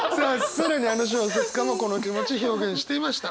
更にあの小説家もこの気持ち表現していました。